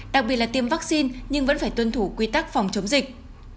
đặc biệt là tiêm vaccine nhưng vẫn phải tuân thủ quy tắc phòng chống dịch